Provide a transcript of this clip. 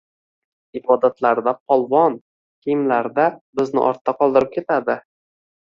Ibodatlarida polvon, kiyimlarida bizni ortda qoldirib ketadi.